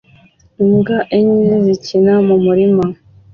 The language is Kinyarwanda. Imbwa enye zikina mu murima